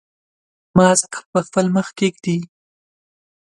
ماسک په خپل مخ کېږدئ.